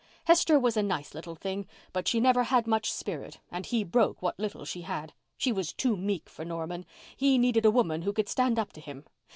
Hester was a nice little thing, but she never had much spirit and he broke what little she had. She was too meek for Norman. He needed a woman who could stand up to him.